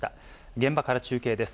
現場から中継です。